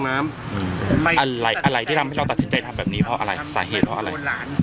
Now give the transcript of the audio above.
อะไรอะไรที่ทำให้เราตัดสินใจทำแบบนี้เพราะอะไรสาเหตุเพราะอะไร